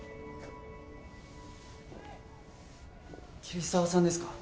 桐沢さんですか？